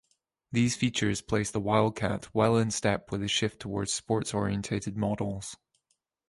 These features placed the Wildcat well in step with the shift towards sports-oriented models.